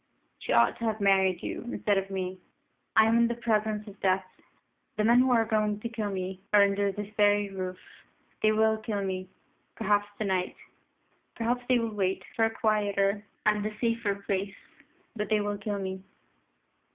She ought to have married you instead of me. "I am in the presence of Death. The men who are going to kill me are under this very roof. They will kill me, perhaps to night. Perhaps they will wait for a quieter and a safer place. But they will kill me.